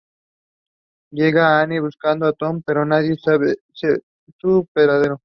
Llega Anne buscando a Tom, pero nadie sabe su paradero.